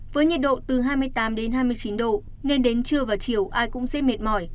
với nhiệt độ từ hai mươi tám đến hai mươi chín độ nên đến trưa và chiều ai cũng sẽ mệt mỏi